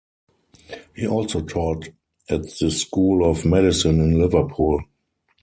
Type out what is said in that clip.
He also taught at the School of Medicine in Liverpool.